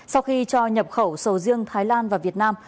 sau khi cho nhập khẩu sầu riêng thái lan và việt nam